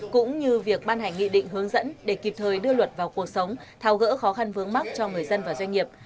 cũng như việc ban hành nghị định hướng dẫn để kịp thời đưa luật vào cuộc sống thao gỡ khó khăn vướng mắt cho người dân và doanh nghiệp